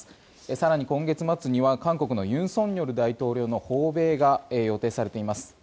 更に今月末には韓国の尹錫悦大統領の訪米が予定されています。